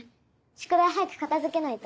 宿題早く片付けないと。